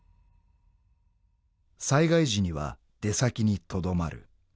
［災害時には出先にとどまる］